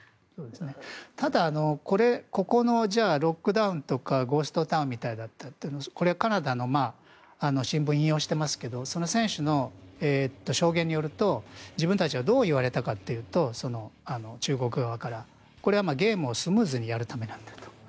ただここのロックダウンとかゴーストタウンみたいだったというのはカナダの新聞を引用してますけど選手の証言によると自分たちはどう言われたかというと中国側からこれはゲームをスムーズにやるためだったと。